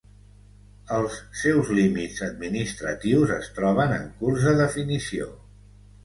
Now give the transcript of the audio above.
Els seus límits administratius es troben en curs de definició.